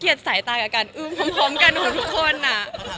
ทีนี้ถ้ามีผู้ชายมาจีบน้องเอมล่ะน้องคิดว่าไม่ค่ะ